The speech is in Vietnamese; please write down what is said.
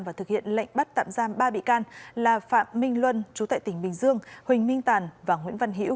và thực hiện lệnh bắt tạm giam ba bị can là phạm minh luân chú tại tỉnh bình dương huỳnh minh tàn và nguyễn văn hiễu